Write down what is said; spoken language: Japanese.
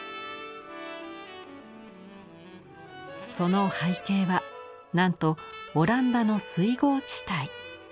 その背景はなんとオランダの水郷地帯。